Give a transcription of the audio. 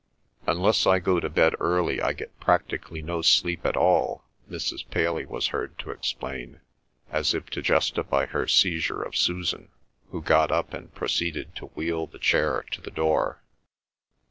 "Unless I go to bed early I get practically no sleep at all," Mrs. Paley was heard to explain, as if to justify her seizure of Susan, who got up and proceeded to wheel the chair to the door.